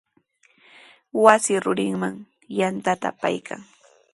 Wasi rurinman yantata apaykan.